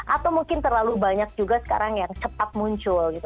atau mungkin terlalu banyak juga sekarang yang cepat muncul gitu